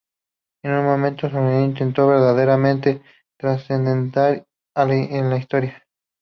Es un momento solemne, intenso, verdaderamente transcendental en la historia.